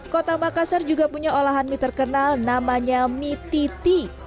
kota makassar juga punya olahan mie terkenal namanya mie titi